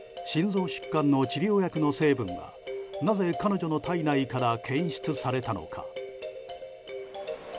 心臓疾患の治療薬の成分がなぜ彼女の体内から検出されたのか。